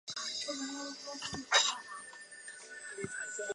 身体被安全带拉住